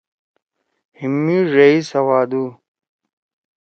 ہیِم می ڙیئی سوادُو،